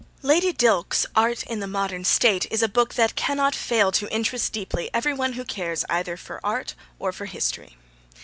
Lady Dilke's Art in the Modern State is a book that cannot fail to interest deeply every one who cares either for art or for history.